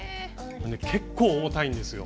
結構重たいんですよ。